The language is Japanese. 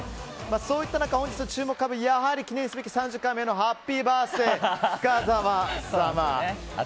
そういった中、本日注目株やはり記念すべき３０回目のハッピーバースデー、深澤さん。